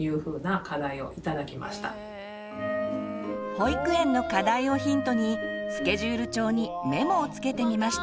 保育園の課題をヒントにスケジュール帳にメモをつけてみました。